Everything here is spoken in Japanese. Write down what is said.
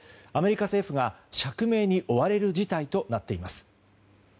アメリカ政府が釈明に追われる事態となっています。